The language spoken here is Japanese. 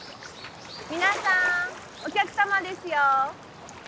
皆さんお客様ですよ。